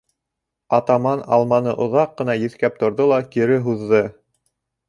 Атаман алманы оҙаҡ ҡына еҫкәп торҙо ла кире һуҙҙы.